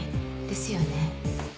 ですよね。